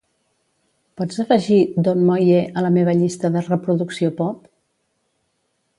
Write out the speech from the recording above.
Pots afegir don moye a la meva llista de reproducció Pop?